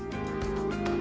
ketika di balai desa